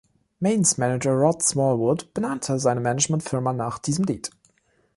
Maidens Manager Rod Smallwood benannte seine Managementfirma nach diesem Lied.